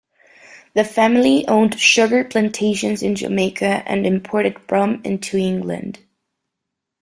The family owned sugar plantations in Jamaica and imported rum into England.